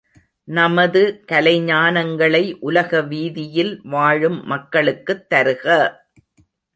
நமது கலைஞானங்களை உலக வீதியில் வாழும் மக்களுக்குத் தருக!